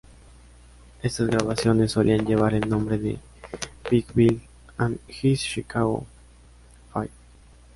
Estas grabaciones solían llevar el nombre de "Big Bill and his Chicago Five".